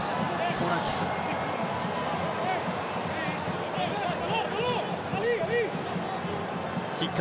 コーナーキックか。